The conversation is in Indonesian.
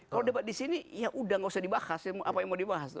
kalau debat di sini ya udah gak usah dibahas apa yang mau dibahas